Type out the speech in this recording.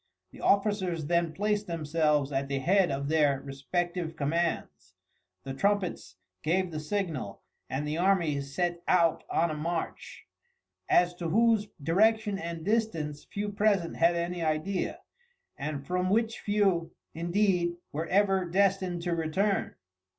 The officers then placed themselves at the head of their respective commands, the trumpets gave the signal, and the army set out on a march, as to whose direction and distance few present had any idea, and from which few, indeed, were ever destined to return.